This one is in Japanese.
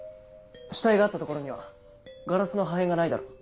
死体があった所にはガラスの破片がないだろう。